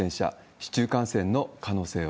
市中感染の可能性は。